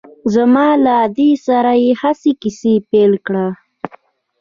زما له ادې سره يې هسې کيسه پيل کړه.